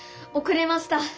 おくれました。